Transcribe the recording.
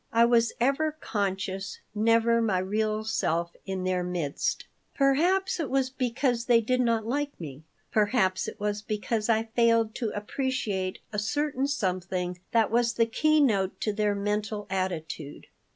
I was ever conscious, never my real self in their midst. Perhaps it was because they did not like me; perhaps it was because I failed to appreciate a certain something that was the key note to their mental attitude.